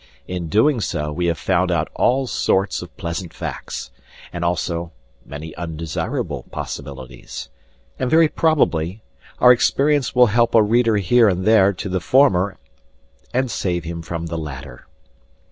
In doing so we have found out all sorts of pleasant facts, and also many undesirable possibilities; and very probably our experience will help a reader here and there to the former and save him from the latter.